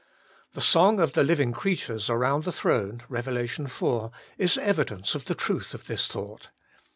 The song of the living creatures around the throne (Eev. iv.) is evidence of the truth of this thought.